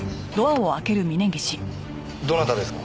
どなたですか？